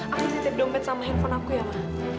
aku setiap dompet sama handphone aku ya ma